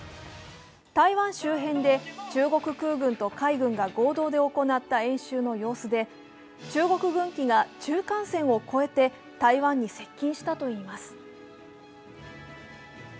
台湾周辺で中国空軍と海軍が合同で行った演習の様子で、中国軍機が中間線を越えて台湾に接近したといいます。